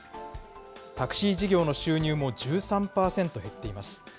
タクシー事業の収入も１３％減っています。